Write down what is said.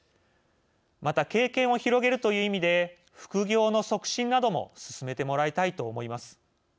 また経験を広げるという意味で副業の促進なども進めてもらいたいと思います。